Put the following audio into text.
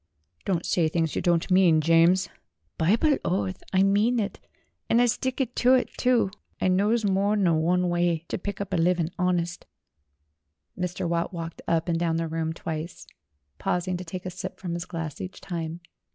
"Don't say things you don't mean, James." ' "Bible oath, I mean it, and 'ud stick ter it, too! I knows more nor one way ter pick up a living honist." Mr. Watt walked up and down the room twice, paus ing to take a sip from his glass each time.